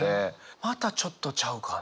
またちょっとちゃうかな。